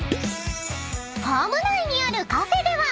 ［ファーム内にあるカフェでは］